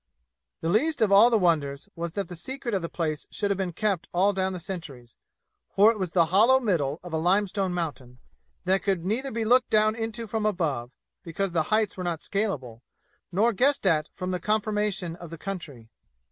The least of all the wonders was that the secret of the place should have been kept all down the centuries; for it was the hollow middle of a limestone mountain, that could neither be looked down into from above, because the heights were not scalable, nor guessed at from the conformation of the country.